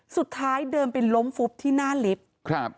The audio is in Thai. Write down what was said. สุดท้ายเดินไปล้มฟุบที่หน้าลิฟต์ครับ